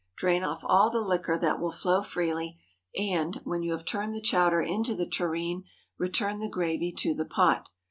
Drain off all the liquor that will flow freely, and, when you have turned the chowder into the tureen, return the gravy to the pot.